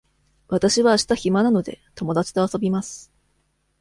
わたしはあした暇なので、友達と遊びます。